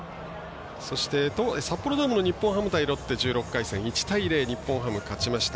そして、札幌ドームの日本ハム対ロッテ１６回戦、１対０日本ハムが勝ちました。